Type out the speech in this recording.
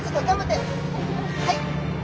はい！